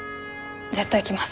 絶対来ます。